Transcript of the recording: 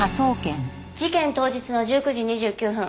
事件当日の１９時２９分